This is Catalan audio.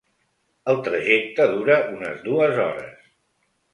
El trajecte dura unes dues hores.